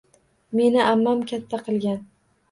Meni ammam katta qilgan